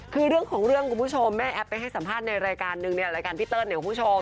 คือเรื่องของเรื่องคุณผู้ชมแม่แอปไปให้สัมภาษณ์ในรายการหนึ่ง